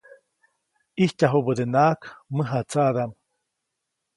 ʼIjtyajubädenaʼajk mäjatsaʼdaʼm.